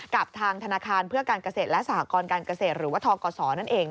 กับทางธนาคารเพื่อการเกษตรและสหกรการเกษตรหรือว่าทกศนั่นเอง